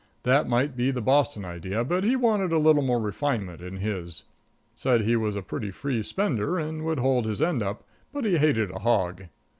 That might be the Boston idea, but he wanted a little more refinement in his. Said he was a pretty free spender, and would hold his end up, but he hated a hog.